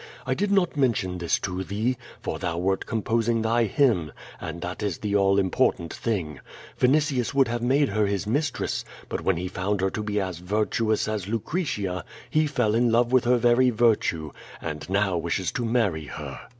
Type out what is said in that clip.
I did not mention this to thee, for thou wert composing thy hymn, and that is the all important thing. Vinitius would have made her his mistress, but when he found her to be as virtuous as Lucretia, he fell in love with her very virtue, and now wishes to marry her.